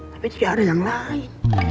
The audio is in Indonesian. tapi juga ada yang lain